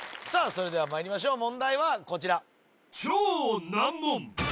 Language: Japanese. それではまいりましょう問題はこちら